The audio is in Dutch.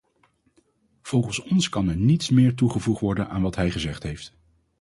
Volgens ons kan er niets meer toegevoegd worden aan wat hij gezegd heeft.